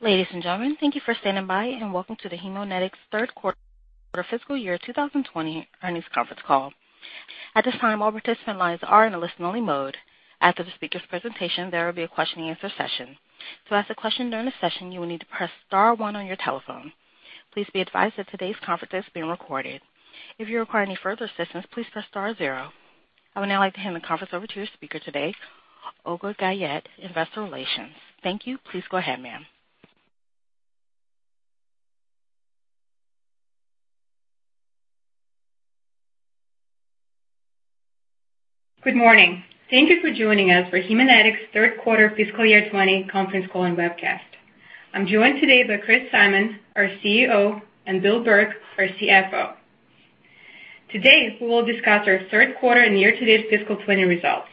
Ladies and gentlemen, thank you for standing by, and welcome to the Haemonetics third quarter fiscal year 2020 earnings conference call. At this time, all participant lines are in a listen-only mode. After the speaker's presentation, there will be a question-and-answer session. To ask a question during the session, you will need to press star one on your telephone. Please be advised that today's conference is being recorded. If you require any further assistance, please press star zero. I would now like to hand the conference over to your speaker today, Olga Guyette, Investor Relations. Thank you. Please go ahead, ma'am. Good morning. Thank you for joining us for Haemonetics' third quarter fiscal year 2020 conference call and webcast. I am joined today by Chris Simon, our CEO, and Bill Burke, our CFO. Today, we will discuss our third quarter and year-to-date fiscal 2020 results.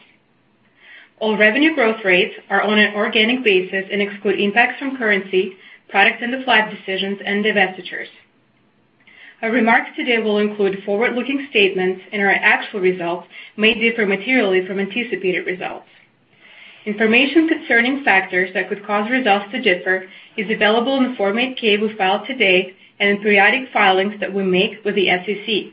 All revenue growth rates are on an organic basis and exclude impacts from currency, products and the flag decisions, and divestitures. Our remarks today will include forward-looking statements, and our actual results may differ materially from anticipated results. Information concerning factors that could cause results to differ is available in the Form 8-K we filed today and in periodic filings that we make with the SEC.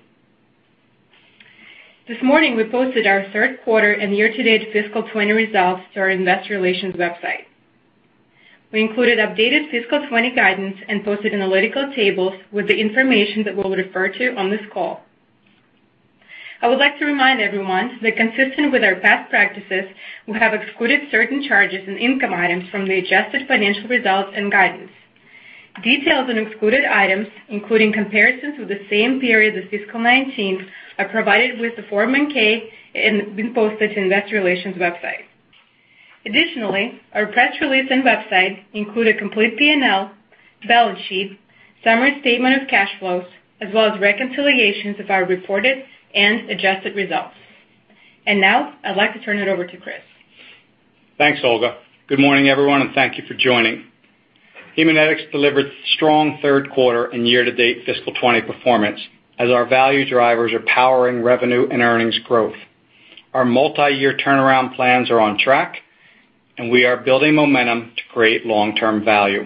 This morning, we posted our third quarter and year-to-date fiscal 2020 results to our investor relations website. We included updated fiscal 2020 guidance and posted analytical tables with the information that we will refer to on this call. I would like to remind everyone that consistent with our best practices, we have excluded certain charges and income items from the adjusted financial results and guidance. Details on excluded items, including comparisons with the same period as fiscal 2019, are provided with the Form 10-K and been posted to investor relations website. Additionally, our press release and website include a complete P&L, balance sheet, summary statement of cash flows, as well as reconciliations of our reported and adjusted results. Now I'd like to turn it over to Chris. Thanks, Olga. Good morning, everyone, and thank you for joining. Haemonetics delivered strong third quarter and year-to-date fiscal 2020 performance as our value drivers are powering revenue and earnings growth. Our multiyear turnaround plans are on track, and we are building momentum to create long-term value.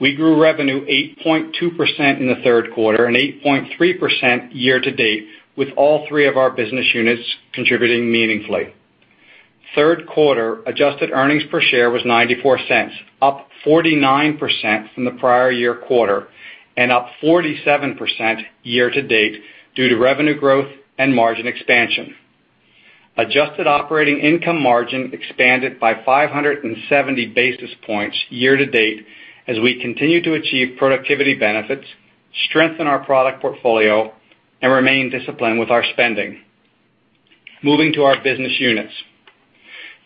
We grew revenue 8.2% in the third quarter and 8.3% year to date, with all three of our business units contributing meaningfully. Third quarter adjusted earnings per share was $0.94, up 49% from the prior year quarter and up 47% year to date due to revenue growth and margin expansion. Adjusted operating income margin expanded by 570 basis points year to date as we continue to achieve productivity benefits, strengthen our product portfolio, and remain disciplined with our spending. Moving to our business units.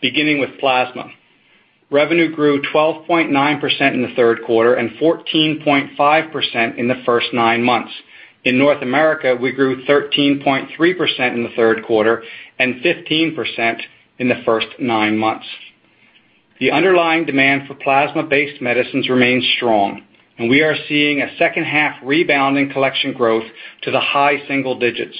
Beginning with plasma. Revenue grew 12.9% in the third quarter and 14.5% in the first nine months. In North America, we grew 13.3% in the third quarter and 15% in the first nine months. The underlying demand for plasma-based medicines remains strong, and we are seeing a second half rebound in collection growth to the high single digits.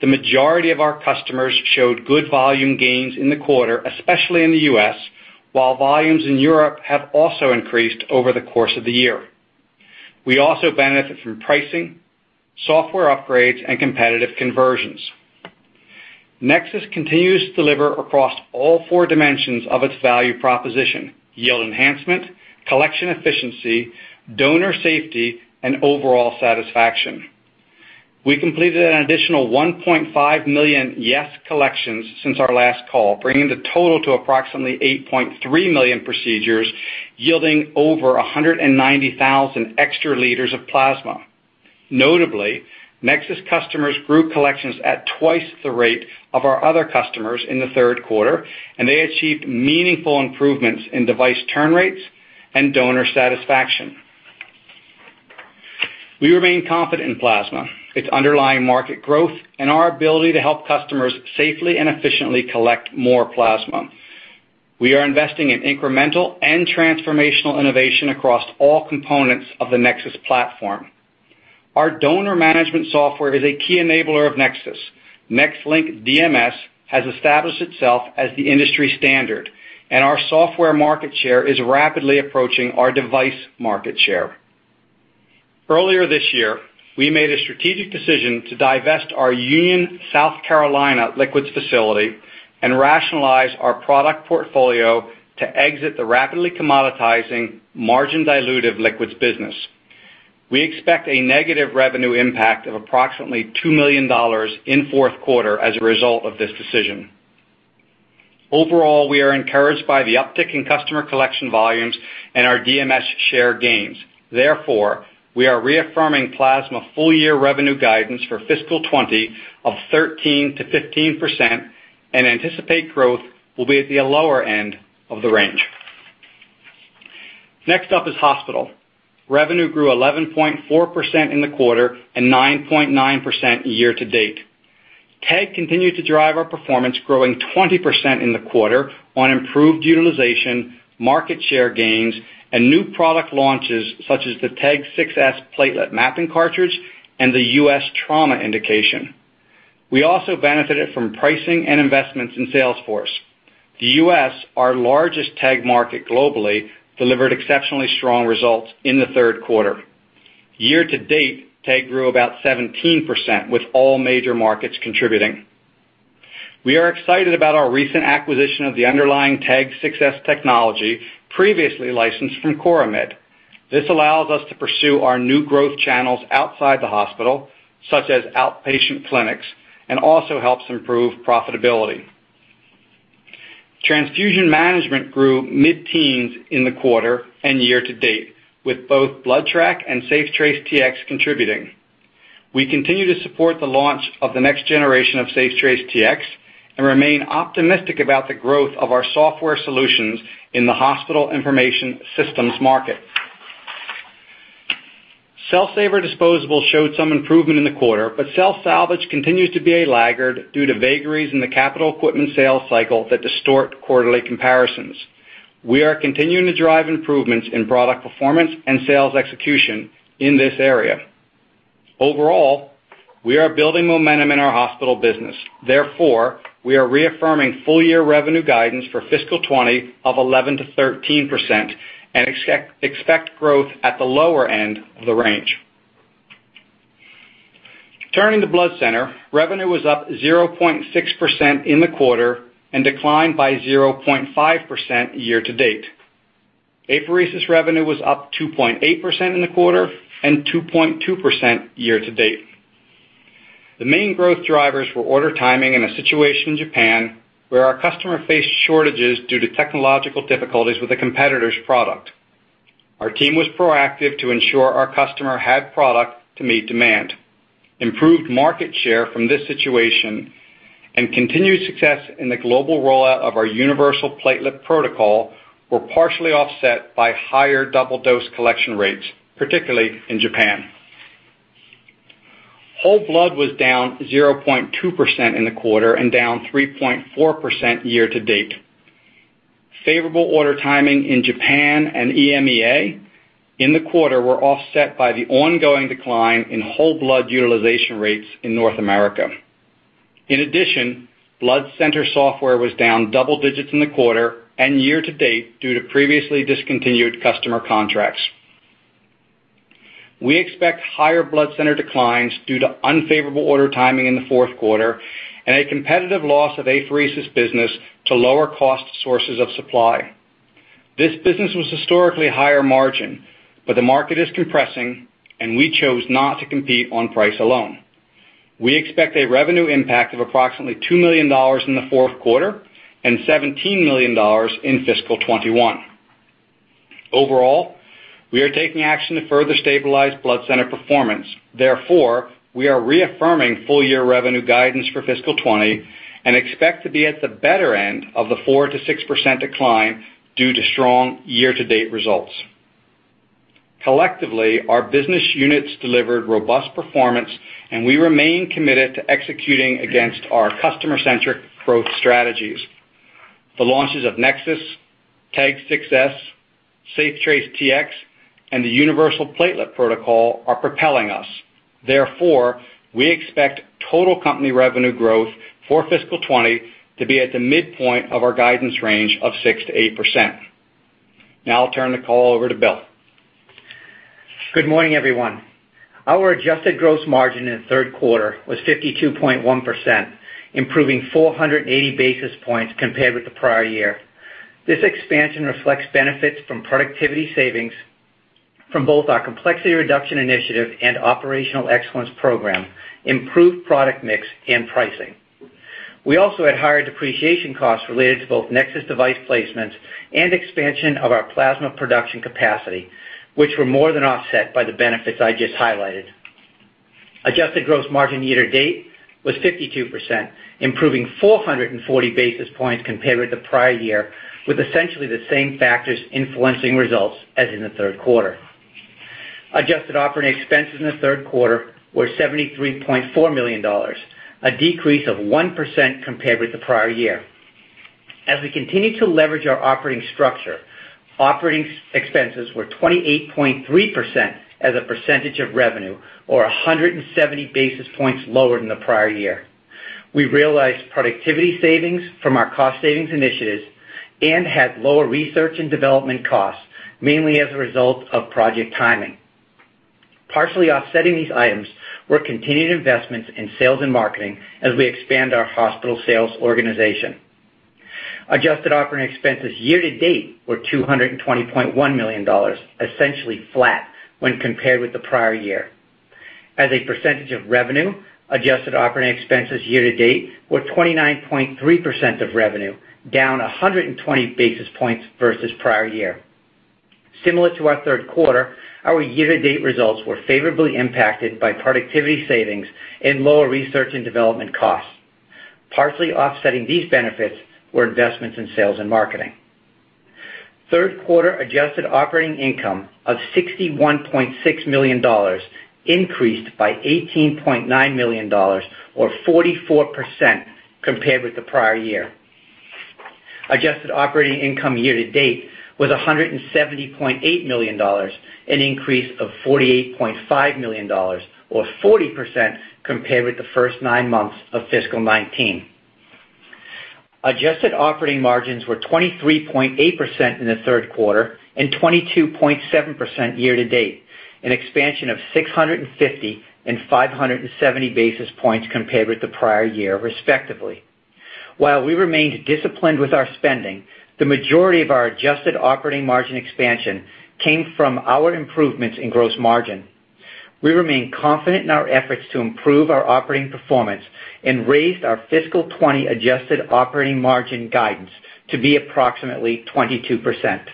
The majority of our customers showed good volume gains in the quarter, especially in the U.S., while volumes in Europe have also increased over the course of the year. We also benefit from pricing, software upgrades, and competitive conversions. NexSys continues to deliver across all four dimensions of its value proposition: yield enhancement, collection efficiency, donor safety, and overall satisfaction. We completed an additional 1.5 million YES collections since our last call, bringing the total to approximately 8.3 million procedures, yielding over 190,000 extra liters of plasma. Notably, NexSys customers grew collections at twice the rate of our other customers in the third quarter, and they achieved meaningful improvements in device turn rates and donor satisfaction. We remain confident in plasma, its underlying market growth, and our ability to help customers safely and efficiently collect more plasma. We are investing in incremental and transformational innovation across all components of the NexSys platform. Our donor management software is a key enabler of NexSys. NexLynk DMS has established itself as the industry standard, and our software market share is rapidly approaching our device market share. Earlier this year, we made a strategic decision to divest our Union, South Carolina liquids facility and rationalize our product portfolio to exit the rapidly commoditizing margin dilutive liquids business. We expect a negative revenue impact of approximately $2 million in fourth quarter as a result of this decision. Overall, we are encouraged by the uptick in customer collection volumes and our DMS share gains. Therefore, we are reaffirming plasma full-year revenue guidance for fiscal 2020 of 13%-15% and anticipate growth will be at the lower end of the range. Next up is Hospital. Revenue grew 11.4% in the quarter and 9.9% year-to-date. TEG continued to drive our performance, growing 20% in the quarter on improved utilization, market share gains, and new product launches such as the TEG 6s PlateletMapping cartridge and the U.S. trauma indication. We also benefited from pricing and investments in sales force. The U.S., our largest TEG market globally, delivered exceptionally strong results in the third quarter. Year to date, TEG grew about 17%, with all major markets contributing. We are excited about our recent acquisition of the underlying TEG 6s technology, previously licensed from Coramed. This allows us to pursue our new growth channels outside the hospital, such as outpatient clinics, and also helps improve profitability. Transfusion management grew mid-teens in the quarter and year to date, with both BloodTrack and SafeTrace Tx contributing. We continue to support the launch of the next generation of SafeTrace Tx, and remain optimistic about the growth of our software solutions in the hospital information systems market. Cell Saver disposable showed some improvement in the quarter, but cell salvage continues to be a laggard due to vagaries in the capital equipment sales cycle that distort quarterly comparisons. We are continuing to drive improvements in product performance and sales execution in this area. Overall, we are building momentum in our hospital business. Therefore, we are reaffirming full-year revenue guidance for fiscal 2020 of 11%-13% and expect growth at the lower end of the range. Turning to blood center, revenue was up 0.6% in the quarter and declined by 0.5% year-to-date. Apheresis revenue was up 2.8% in the quarter and 2.2% year-to-date. The main growth drivers were order timing and a situation in Japan where our customer faced shortages due to technological difficulties with a competitor's product. Our team was proactive to ensure our customer had product to meet demand. Improved market share from this situation and continued success in the global rollout of our Universal Platelet protocol were partially offset by higher double dose collection rates, particularly in Japan. Whole blood was down 0.2% in the quarter and down 3.4% year-to-date. Favorable order timing in Japan and EMEA in the quarter were offset by the ongoing decline in whole blood utilization rates in North America. In addition, blood center software was down double digits in the quarter and year-to-date due to previously discontinued customer contracts. We expect higher blood center declines due to unfavorable order timing in the fourth quarter and a competitive loss of apheresis business to lower-cost sources of supply. This business was historically higher margin, but the market is compressing, and we chose not to compete on price alone. We expect a revenue impact of approximately $2 million in the fourth quarter and $17 million in fiscal 2021. Overall, we are taking action to further stabilize blood center performance. We are reaffirming full-year revenue guidance for fiscal 2020 and expect to be at the better end of the 4%-6% decline due to strong year-to-date results. Collectively, our business units delivered robust performance, and we remain committed to executing against our customer-centric growth strategies. The launches of NexSys PCS, TEG 6s, SafeTrace Tx, and the Universal Platelet protocol are propelling us. Therefore, we expect total company revenue growth for fiscal 2020 to be at the midpoint of our guidance range of 6%-8%. Now I'll turn the call over to Bill. Good morning, everyone. Our adjusted gross margin in the third quarter was 52.1%, improving 480 basis points compared with the prior year. This expansion reflects benefits from productivity savings from both our Complexity Reduction Initiative and Operational Excellence Program, improved product mix, and pricing. We also had higher depreciation costs related to both NexSys device placements and expansion of our plasma production capacity, which were more than offset by the benefits I just highlighted. Adjusted gross margin year to date was 52%, improving 440 basis points compared with the prior year, with essentially the same factors influencing results as in the third quarter. Adjusted operating expenses in the third quarter were $73.4 million, a decrease of 1% compared with the prior year. As we continue to leverage our operating structure, operating expenses were 28.3% as a percentage of revenue or 170 basis points lower than the prior year. We realized productivity savings from our cost savings initiatives and had lower research and development costs, mainly as a result of project timing. Partially offsetting these items were continued investments in sales and marketing as we expand our hospital sales organization. Adjusted operating expenses year to date were $220.1 million, essentially flat when compared with the prior year. As a percentage of revenue, adjusted operating expenses year to date were 29.3% of revenue, down 120 basis points versus prior year. Similar to our third quarter, our year-to-date results were favorably impacted by productivity savings and lower research and development costs. Partially offsetting these benefits were investments in sales and marketing. Third quarter adjusted operating income of $61.6 million increased by $18.9 million or 44% compared with the prior year. Adjusted operating income year-to-date was $170.8 million, an increase of $48.5 million or 40% compared with the first nine months of fiscal 2019. Adjusted operating margins were 23.8% in the third quarter and 22.7% year-to-date, an expansion of 650 basis points and 570 basis points compared with the prior year respectively. While we remained disciplined with our spending, the majority of our adjusted operating margin expansion came from our improvements in gross margin. We remain confident in our efforts to improve our operating performance and raised our fiscal 2020 adjusted operating margin guidance to be approximately 22%.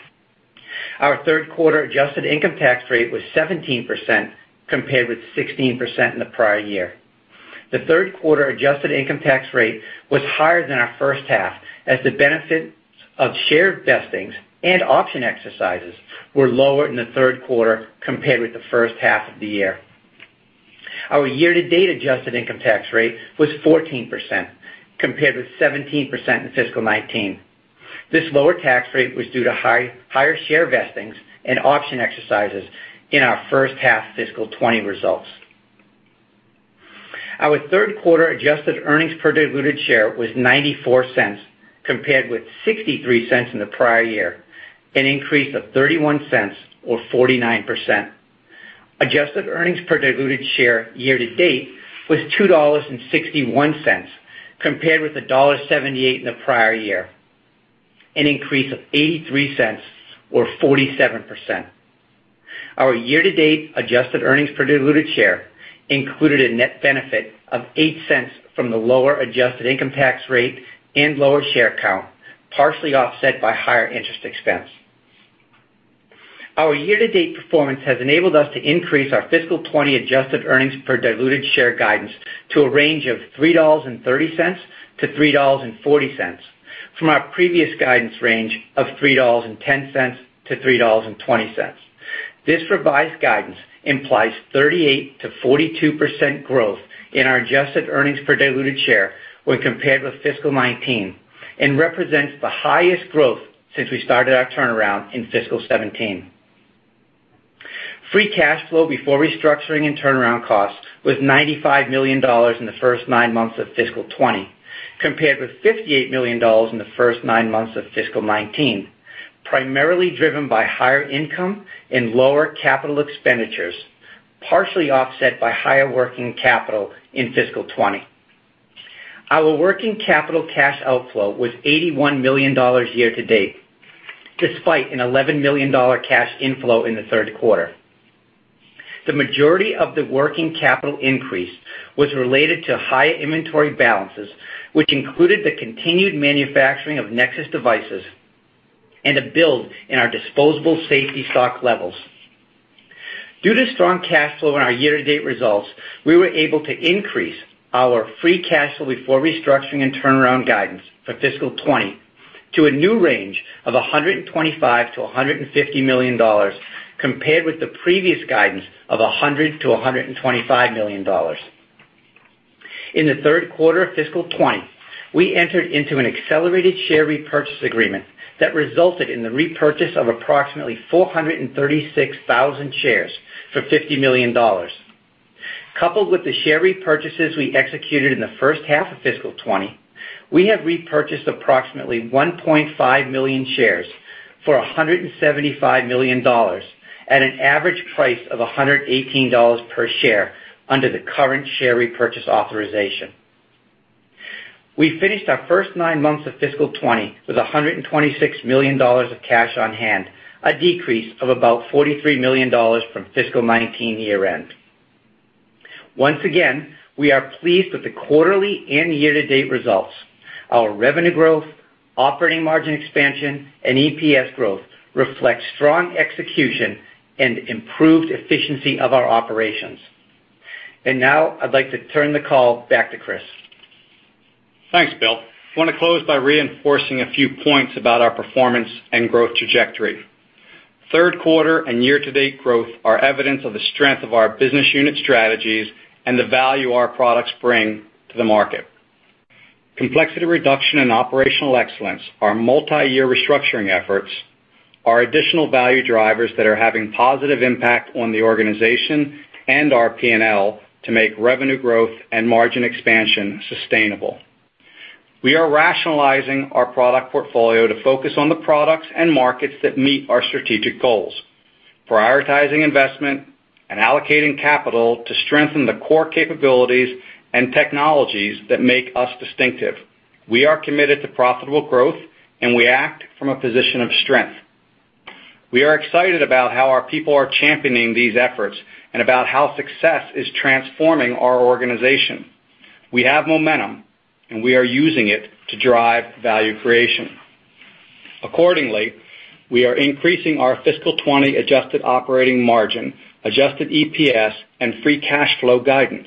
Our third quarter adjusted income tax rate was 17%, compared with 16% in the prior year. The third quarter adjusted income tax rate was higher than our first half, as the benefits of share vestings and option exercises were lower in the third quarter compared with the first half of the year. Our year-to-date adjusted income tax rate was 14%, compared with 17% in fiscal 2019. This lower tax rate was due to higher share vestings and option exercises in our first-half fiscal 2020 results. Our third quarter adjusted earnings per diluted share was $0.94, compared with $0.63 in the prior year, an increase of $0.31 or 49%. Adjusted earnings per diluted share year-to-date was $2.61, compared with $1.78 in the prior year, an increase of $0.83 or 47%. Our year-to-date adjusted earnings per diluted share included a net benefit of $0.08 from the lower adjusted income tax rate and lower share count, partially offset by higher interest expense. Our year-to-date performance has enabled us to increase our fiscal 2020 adjusted earnings per diluted share guidance to a range of $3.30-$3.40 from our previous guidance range of $3.10-$3.20. This revised guidance implies 38%-42% growth in our adjusted earnings per diluted share when compared with fiscal 2019, and represents the highest growth since we started our turnaround in fiscal 2017. Free cash flow before restructuring and turnaround costs was $95 million in the first nine months of fiscal 2020, compared with $58 million in the first nine months of fiscal 2019, primarily driven by higher income and lower capital expenditures, partially offset by higher working capital in fiscal 2020. Our working capital cash outflow was $81 million year-to-date, despite an $11 million cash inflow in the third quarter. The majority of the working capital increase was related to higher inventory balances, which included the continued manufacturing of NexSys devices and a build in our disposable safety stock levels. Due to strong cash flow in our year-to-date results, we were able to increase our free cash flow before restructuring and turnaround guidance for fiscal 2020 to a new range of $125 million-$150 million, compared with the previous guidance of $100 million-$125 million. In the third quarter of fiscal 2020, we entered into an accelerated share repurchase agreement that resulted in the repurchase of approximately 436,000 shares for $50 million. Coupled with the share repurchases we executed in the first half of fiscal 2020, we have repurchased approximately 1.5 million shares for $175 million at an average price of $118 per share under the current share repurchase authorization. We finished our first nine months of fiscal 2020 with $126 million of cash on hand, a decrease of about $43 million from fiscal 2019 year-end. Once again, we are pleased with the quarterly and year-to-date results. Our revenue growth, operating margin expansion, and EPS growth reflect strong execution and improved efficiency of our operations. Now I'd like to turn the call back to Chris. Thanks, Bill. I want to close by reinforcing a few points about our performance and growth trajectory. Third quarter and year-to-date growth are evidence of the strength of our business unit strategies and the value our products bring to the market. Complexity Reduction and Operational Excellence, our multiyear restructuring efforts are additional value drivers that are having positive impact on the organization and our P&L to make revenue growth and margin expansion sustainable. We are rationalizing our product portfolio to focus on the products and markets that meet our strategic goals, prioritizing investment and allocating capital to strengthen the core capabilities and technologies that make us distinctive. We are committed to profitable growth, and we act from a position of strength. We are excited about how our people are championing these efforts and about how success is transforming our organization. We have momentum, and we are using it to drive value creation. Accordingly, we are increasing our fiscal 2020 adjusted operating margin, adjusted EPS, and free cash flow guidance.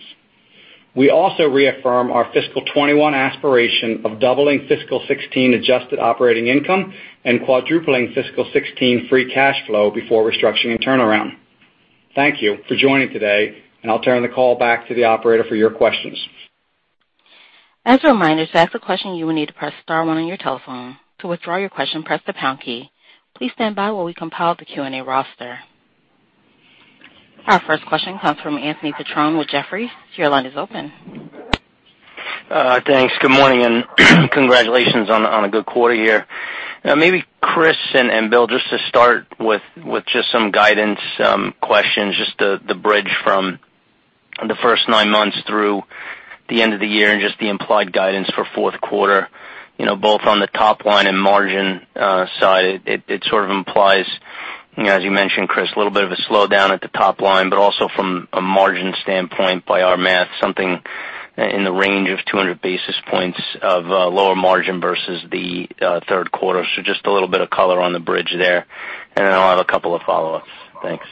We also reaffirm our fiscal 2021 aspiration of doubling fiscal 2016 adjusted operating income and quadrupling fiscal 2016 free cash flow before restructuring and turnaround. Thank you for joining today, and I'll turn the call back to the operator for your questions. As a reminder, to ask a question, you will need to press star one on your telephone. To withdraw your question, press the pound key. Please stand by while we compile the Q&A roster. Our first question comes from Anthony Petrone with Jefferies. Your line is open. Thanks. Good morning, congratulations on a good quarter here. Maybe Chris and Bill, just to start with just some guidance questions, just the bridge from the first nine months through the end of the year and just the implied guidance for fourth quarter, both on the top line and margin side. It sort of implies, as you mentioned, Chris, a little bit of a slowdown at the top line, but also from a margin standpoint by our math, something in the range of 200 basis points of lower margin versus the third quarter. Just a little bit of color on the bridge there, I'll have a couple of follow-ups. Thanks.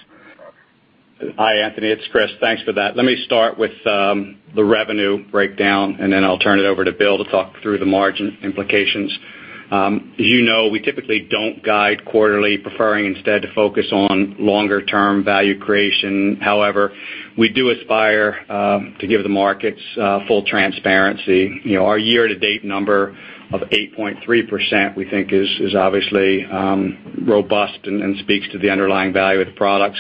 Hi, Anthony. It's Chris. Thanks for that. Let me start with the revenue breakdown, and then I'll turn it over to Bill to talk through the margin implications. As you know, we typically don't guide quarterly, preferring instead to focus on longer-term value creation. However, we do aspire to give the markets full transparency. Our year-to-date number of 8.3%, we think is obviously robust and speaks to the underlying value of the products.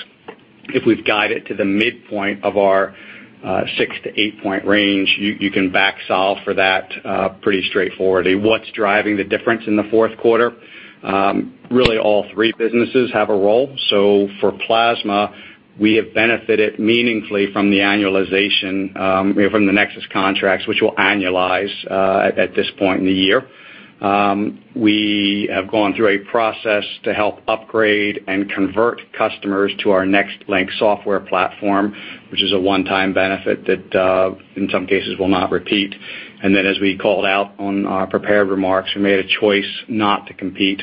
If we've guided to the midpoint of our 6 point-8 point range, you can back solve for that pretty straightforwardly. What's driving the difference in the fourth quarter? Really all three businesses have a role. For plasma, we have benefited meaningfully from the annualization from the NexSys PCS contracts, which will annualize at this point in the year. We have gone through a process to help upgrade and convert customers to our NexLynk software platform, which is a one-time benefit that, in some cases, will not repeat. As we called out on our prepared remarks, we made a choice not to compete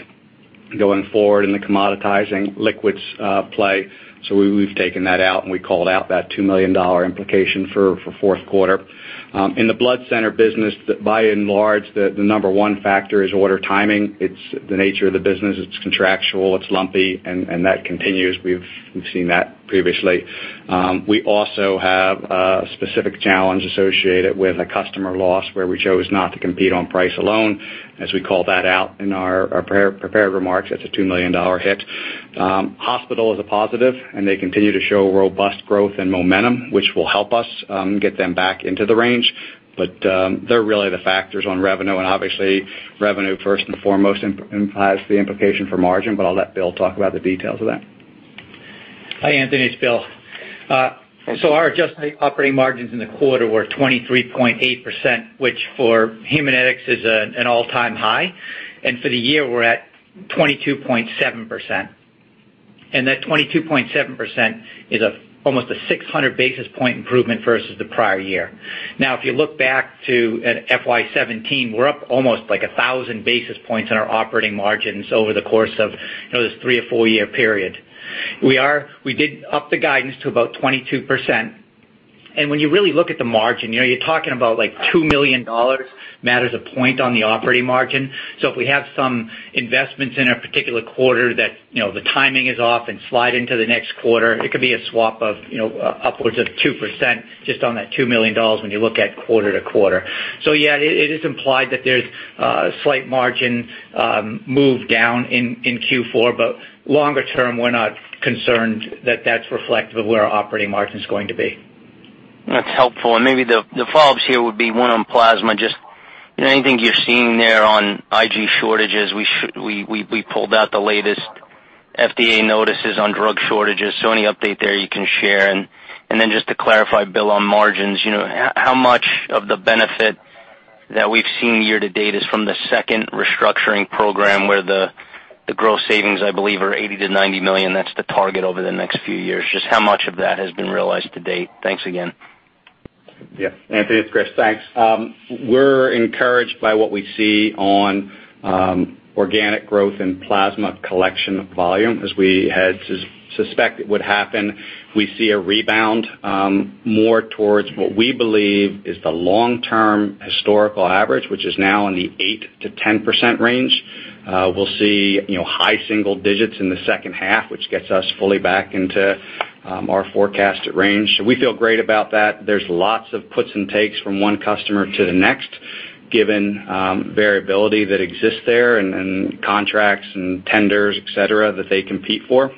going forward in the commoditizing liquids play. We've taken that out, and we called out that $2 million implication for fourth quarter. In the blood center business, by and large, the number one factor is order timing. It's the nature of the business. It's contractual, it's lumpy, that continues. We've seen that previously. We also have a specific challenge associated with a customer loss where we chose not to compete on price alone, as we called that out in our prepared remarks. That's a $2 million hit. Hospital is a positive. They continue to show robust growth and momentum, which will help us get them back into the range. They're really the factors on revenue and obviously revenue first and foremost implies the implication for margin, but I'll let Bill talk about the details of that. Hi, Anthony. It's Bill. Our adjusted operating margins in the quarter were 23.8%, which for Haemonetics is an all-time high. For the year, we're at 22.7%. That 22.7% is almost a 600 basis point improvement versus the prior year. If you look back to FY 2017, we're up almost 1,000 basis points on our operating margins over the course of this three or four-year period. We did up the guidance to about 22%. When you really look at the margin, you're talking about $2 million matters a point on the operating margin. If we have some investments in a particular quarter that the timing is off and slide into the next quarter, it could be a swap of upwards of 2% just on that $2 million when you look at quarter to quarter. Yeah, it is implied that there's a slight margin move down in Q4, but longer term, we're not concerned that that's reflective of where our operating margin is going to be. That's helpful. Maybe the follow-ups here would be one on IG, just anything you're seeing there on IG shortages. We pulled out the latest FDA notices on drug shortages, any update there you can share. Just to clarify, Bill, on margins, how much of the benefit that we've seen year to date is from the second restructuring program where the growth savings, I believe, are $80 million-$90 million. That's the target over the next few years. Just how much of that has been realized to date? Thanks again. Yeah, Anthony, it's Chris. Thanks. We're encouraged by what we see on organic growth in plasma collection volume as we had suspected would happen. We see a rebound more towards what we believe is the long-term historical average, which is now in the 8%-10% range. We'll see high single digits in the second half, which gets us fully back into our forecasted range. We feel great about that. There's lots of puts and takes from one customer to the next, given variability that exists there and contracts and tenders, et cetera, that they compete for.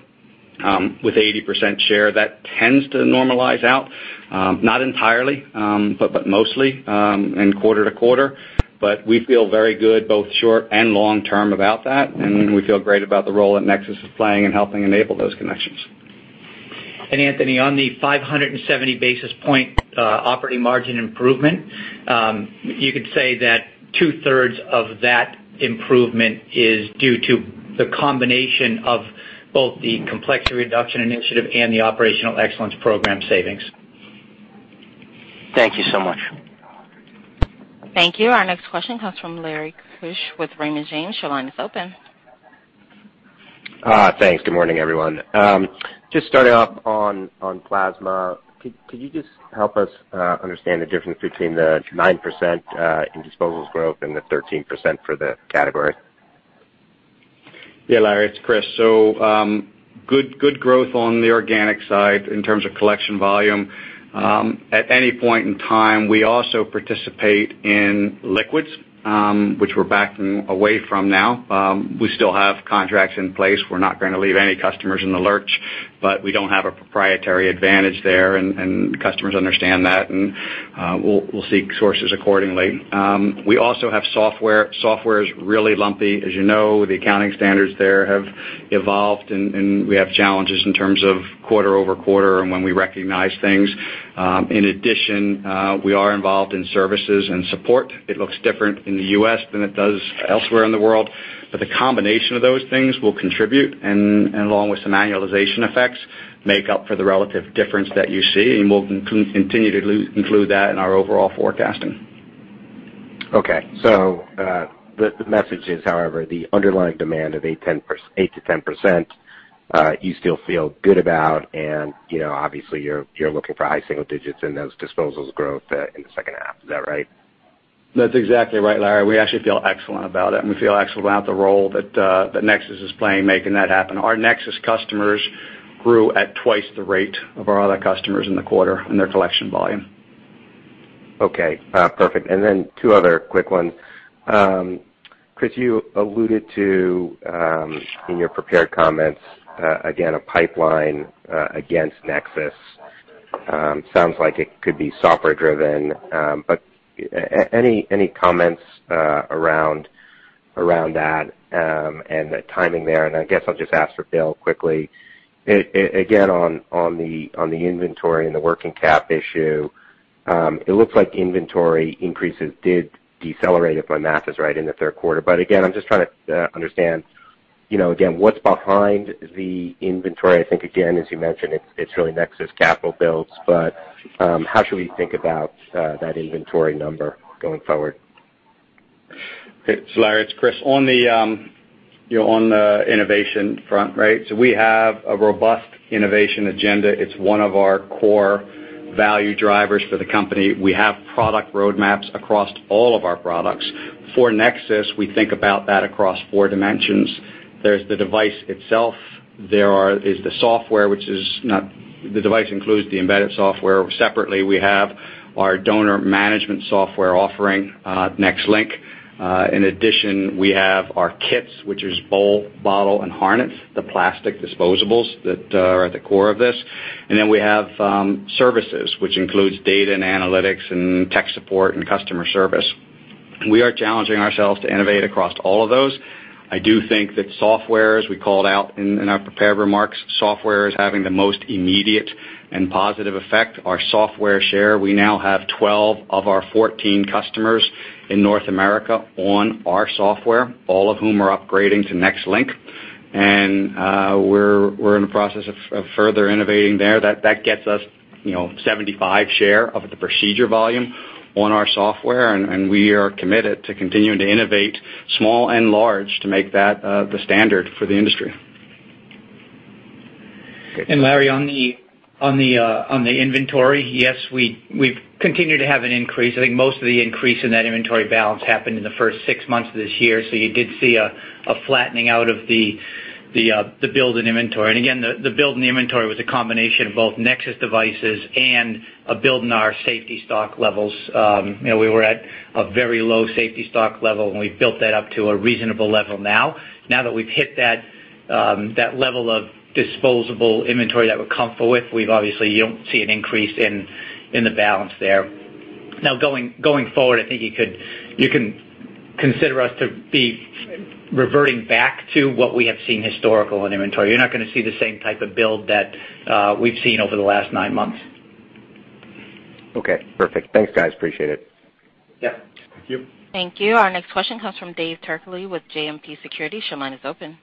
With 80% share, that tends to normalize out, not entirely, but mostly in quarter to quarter. We feel very good both short and long term about that, and we feel great about the role that NexSys PCS is playing in helping enable those connections. Anthony, on the 570 basis point operating margin improvement, you could say that two-thirds of that improvement is due to the combination of both the Complexity Reduction Initiative and the Operational Excellence Program savings. Thank you so much. Thank you. Our next question comes from Larry Keusch with Raymond James. Your line is open. Thanks. Good morning, everyone. Just starting off on plasma, could you just help us understand the difference between the 9% in disposables growth and the 13% for the category? Yeah, Larry, it's Chris. Good growth on the organic side in terms of collection volume. At any point in time, we also participate in liquids, which we're backing away from now. We still have contracts in place. We're not going to leave any customers in the lurch, but we don't have a proprietary advantage there, and customers understand that, and we'll seek sources accordingly. We also have software. Software is really lumpy. As you know, the accounting standards there have evolved, and we have challenges in terms of quarter over quarter and when we recognize things. In addition, we are involved in services and support. It looks different in the U.S. than it does elsewhere in the world. The combination of those things will contribute, and along with some annualization effects, make up for the relative difference that you see, and we’ll continue to include that in our overall forecasting. Okay. The message is, however, the underlying demand of 8%-10%, you still feel good about, and obviously, you're looking for high single digits in those disposables growth in the second half. Is that right? That's exactly right, Larry. We actually feel excellent about it, and we feel excellent about the role that NexSys is playing, making that happen. Our NexSys customers grew at twice the rate of our other customers in the quarter in their collection volume. Okay, perfect. Two other quick ones. Chris, you alluded to, in your prepared comments, again, a pipeline against NexSys. Sounds like it could be software driven. Any comments around that and the timing there? I guess I'll just ask for Bill quickly, again, on the inventory and the working cap issue. It looks like inventory increases did decelerate, if my math is right, in the third quarter. Again, I'm just trying to understand, again, what's behind the inventory. I think, again, as you mentioned, it's really NexSys capital builds. How should we think about that inventory number going forward? Okay. Larry, it's Chris. On the innovation front, we have a robust innovation agenda. It's one of our core value drivers for the company. We have product roadmaps across all of our products. For NexSys PCS, we think about that across four dimensions. There's the device itself. There is the software, the device includes the embedded software. Separately, we have our donor management software offering, NexLynk. In addition, we have our kits, which is bowl, bottle, and harness, the plastic disposables that are at the core of this. Then we have services, which includes data and analytics and tech support and customer service. We are challenging ourselves to innovate across all of those. I do think that software, as we called out in our prepared remarks, software is having the most immediate and positive effect. Our software share, we now have 12 of our 14 customers in North America on our software, all of whom are upgrading to NexLynk. We're in the process of further innovating there. That gets us 75 share of the procedure volume on our software, and we are committed to continuing to innovate small and large to make that the standard for the industry. Larry, on the inventory, yes, we've continued to have an increase. I think most of the increase in that inventory balance happened in the first six months of this year, you did see a flattening out of the build in inventory. Again, the build in the inventory was a combination of both NexSys devices and a build in our safety stock levels. We were at a very low safety stock level, and we've built that up to a reasonable level now. That we've hit that level of disposable inventory that we're comfortable with, obviously, you don't see an increase in the balance there. Going forward, I think you can consider us to be reverting back to what we have seen historical in inventory. You're not going to see the same type of build that we've seen over the last nine months. Okay, perfect. Thanks, guys. Appreciate it. Yeah. Thank you. Thank you. Our next question comes from David Turkaly with JMP Securities. Your line is open.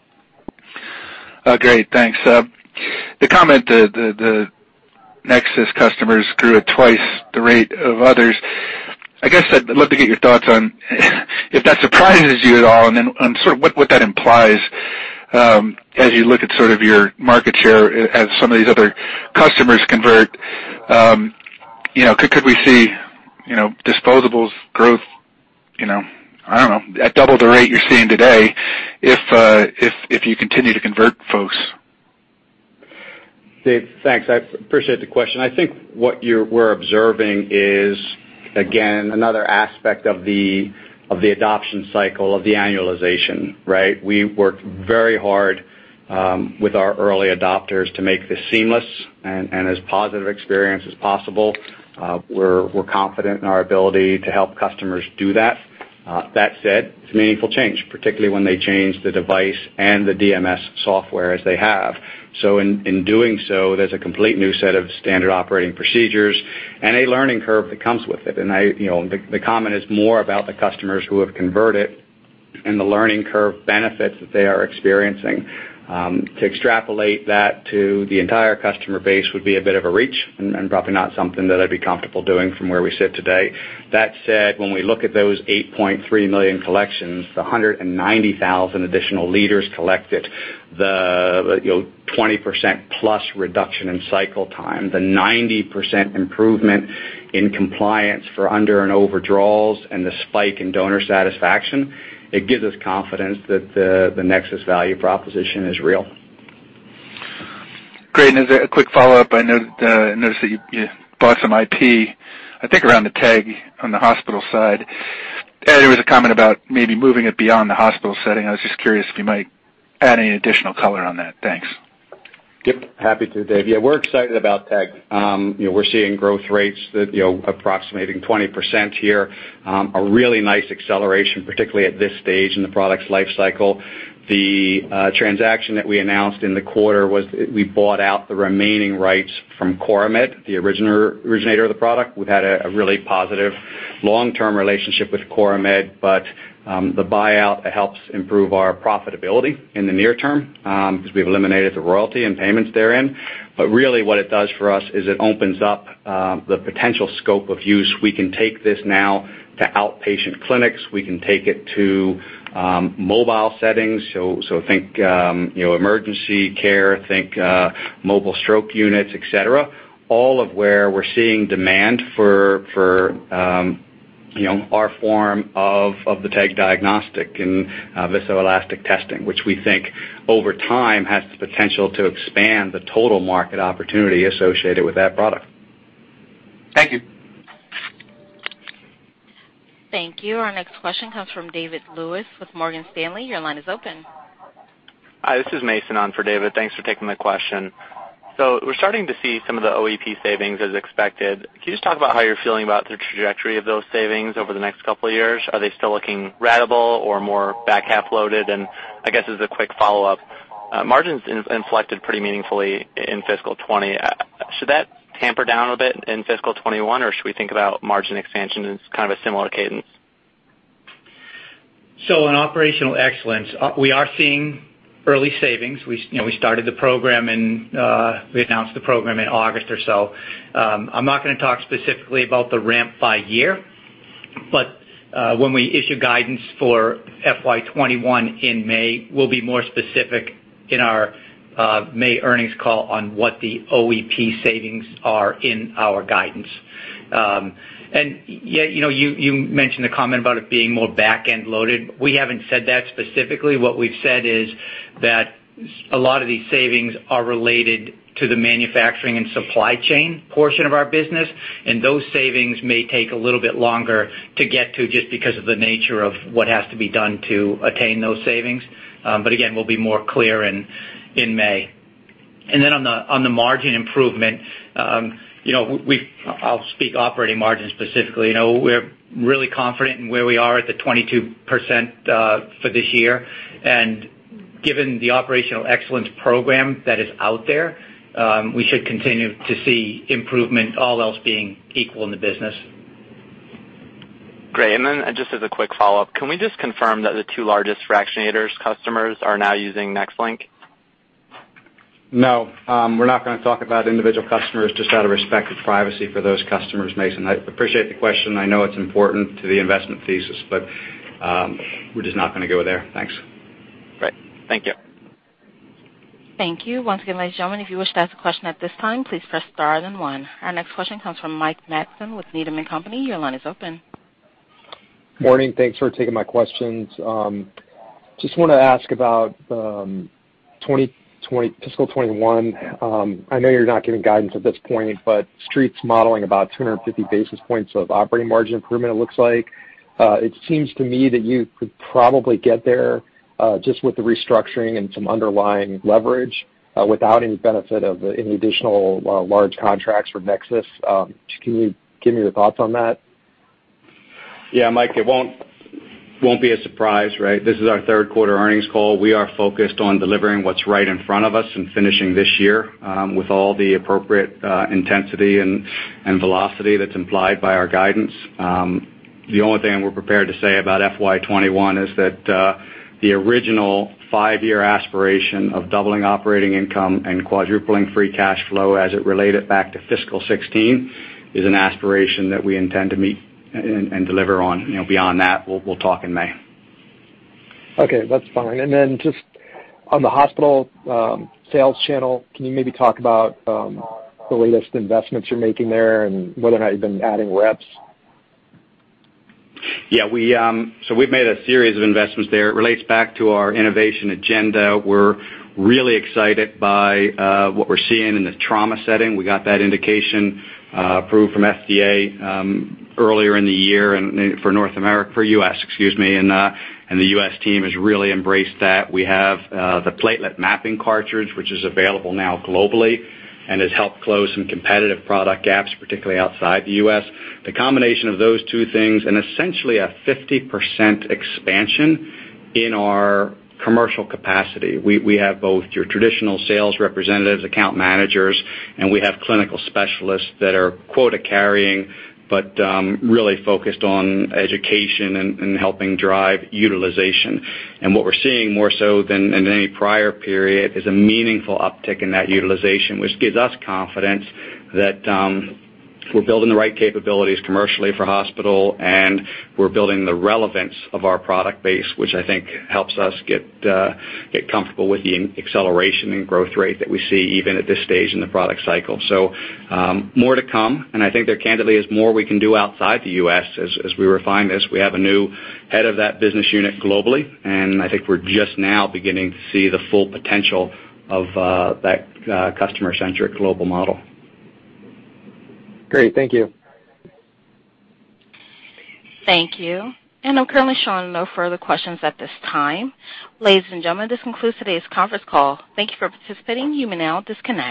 Great, thanks. The comment that the NexSys customers grew at twice the rate of others, I guess I'd love to get your thoughts on if that surprises you at all, and then on what that implies as you look at your market share as some of these other customers convert. Could we see disposables growth, I don't know, at double the rate you're seeing today if you continue to convert folks? Dave, thanks. I appreciate the question. I think what we're observing is, again, another aspect of the adoption cycle of the annualization, right? We worked very hard with our early adopters to make this seamless and as positive experience as possible. We're confident in our ability to help customers do that. That said, it's a meaningful change, particularly when they change the device and the DMS software as they have. In doing so, there's a complete new set of standard operating procedures and a learning curve that comes with it. The comment is more about the customers who have converted and the learning curve benefits that they are experiencing. To extrapolate that to the entire customer base would be a bit of a reach and probably not something that I'd be comfortable doing from where we sit today. That said, when we look at those 8.3 million collections, the 190,000 additional liters collected, the 20% plus reduction in cycle time, the 90% improvement in compliance for under and overdrawals, and the spike in donor satisfaction, it gives us confidence that the NexSys value proposition is real. Great. As a quick follow-up, I noticed that you bought some IP, I think around the TEG on the hospital side. There was a comment about maybe moving it beyond the hospital setting. I was just curious if you might add any additional color on that. Thanks. Yep, happy to, Dave. Yeah, we're excited about TEG. We're seeing growth rates that are approximating 20% here. A really nice acceleration, particularly at this stage in the product's life cycle. The transaction that we announced in the quarter was we bought out the remaining rights from Coramed, the originator of the product. We've had a really positive long-term relationship with Coramed, but the buyout helps improve our profitability in the near term, because we've eliminated the royalty and payments therein. Really what it does for us is it opens up the potential scope of use. We can take this now to outpatient clinics, we can take it to mobile settings. Think emergency care, think mobile stroke units, et cetera. All of where we're seeing demand for our form of the TEG diagnostic and viscoelastic testing, which we think over time has the potential to expand the total market opportunity associated with that product. Thank you. Thank you. Our next question comes from David Lewis with Morgan Stanley. Your line is open. Hi, this is Mason on for David. Thanks for taking my question. We're starting to see some of the OEP savings as expected. Can you just talk about how you're feeling about the trajectory of those savings over the next couple of years? Are they still looking ratable or more back-half loaded? I guess as a quick follow-up, margins inflected pretty meaningfully in fiscal 2020. Should that tamper down a bit in fiscal 2021, or should we think about margin expansion as kind of a similar cadence? On Operational Excellence, we are seeing early savings. We announced the program in August or so. I'm not going to talk specifically about the ramp by year, when we issue guidance for FY 2021 in May, we'll be more specific in our May earnings call on what the OEP savings are in our guidance. You mentioned a comment about it being more back-end loaded. We haven't said that specifically. What we've said is that a lot of these savings are related to the manufacturing and supply chain portion of our business, those savings may take a little bit longer to get to just because of the nature of what has to be done to attain those savings. Again, we'll be more clear in May. On the margin improvement, I'll speak operating margin specifically. We're really confident in where we are at the 22% for this year. Given the Operational Excellence Program that is out there, we should continue to see improvement, all else being equal in the business. Great. Then just as a quick follow-up, can we just confirm that the two largest fractionators customers are now using NexLynk? No, we're not going to talk about individual customers just out of respect of privacy for those customers, Mason. I appreciate the question. I know it's important to the investment thesis, but we're just not going to go there. Thanks. Great. Thank you. Thank you. Once again, ladies and gentlemen, if you wish to ask a question at this time, please press star then one. Our next question comes from Mike Matson with Needham & Company. Your line is open. Morning, thanks for taking my questions. I just want to ask about fiscal 2021. I know you're not giving guidance at this point, but Street's modeling about 250 basis points of operating margin improvement it looks like. It seems to me that you could probably get there just with the restructuring and some underlying leverage without any benefit of any additional large contracts for NexSys PCS. Can you give me your thoughts on that? Mike, it won't be a surprise, right? This is our third-quarter earnings call. We are focused on delivering what's right in front of us and finishing this year with all the appropriate intensity and velocity that's implied by our guidance. The only thing we're prepared to say about FY 2021 is that the original five-year aspiration of doubling operating income and quadrupling free cash flow as it related back to fiscal 2016 is an aspiration that we intend to meet and deliver on. Beyond that, we'll talk in May. Okay, that's fine. Then just on the hospital sales channel, can you maybe talk about the latest investments you're making there and whether or not you've been adding reps? Yeah. We've made a series of investments there. It relates back to our innovation agenda. We're really excited by what we're seeing in the trauma setting. We got that indication approved from FDA earlier in the year for U.S., and the U.S. team has really embraced that. We have the PlateletMapping cartridge, which is available now globally and has helped close some competitive product gaps, particularly outside the U.S. The combination of those two things and essentially a 50% expansion in our commercial capacity. We have both your traditional sales representatives, account managers, and we have clinical specialists that are quota carrying, but really focused on education and helping drive utilization. What we're seeing more so than in any prior period is a meaningful uptick in that utilization, which gives us confidence that we're building the right capabilities commercially for hospital and we're building the relevance of our product base, which I think helps us get comfortable with the acceleration and growth rate that we see even at this stage in the product cycle. More to come, and I think there candidly is more we can do outside the U.S. as we refine this. We have a new head of that business unit globally, and I think we're just now beginning to see the full potential of that customer-centric global model. Great. Thank you. Thank you. I'm currently showing no further questions at this time. Ladies and gentlemen, this concludes today's conference call. Thank you for participating. You may now disconnect.